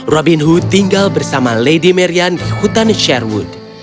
robin hoo tinggal bersama lady marian di hutan sherwood